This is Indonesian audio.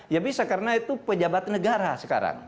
ya bisa karena itu pejabat negara sekarang